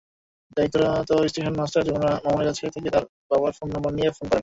দায়িত্বরত স্টেশনমাস্টার মামুনের কাছ থেকে তাঁর বাবার ফোন নম্বর নিয়ে ফোন করেন।